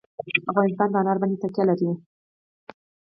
افغانستان په انار باندې تکیه لري.